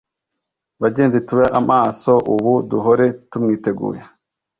bagenzi, tube maso ubu, duhore tumwiteguye.